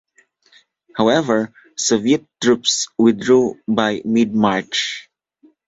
However, Soviet troops withdrew by mid-March.